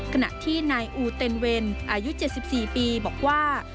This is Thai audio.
ขณะที่นายอูเต็นเวนอายุ๗๔ปีบอกว่า